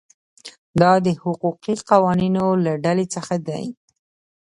دا د حقوقي قوانینو له ډلې څخه دي.